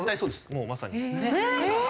もうまさに。えっ！？